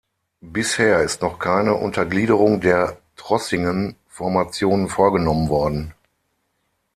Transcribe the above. Bisher ist noch keine Untergliederung der Trossingen-Formation vorgenommen worden.